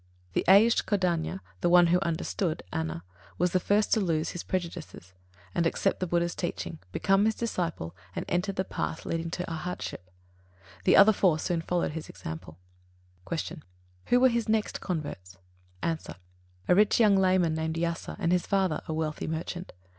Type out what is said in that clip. The aged Kondañña, one who "understood" (Anna), was the first to lose his prejudices, accept the Buddha's teaching, become his disciple, and enter the Path leading to Arhatship. The other four soon followed his example. 73. Q. Who were his next converts? A. A rich young layman, named Yasa, and his father, a wealthy merchant.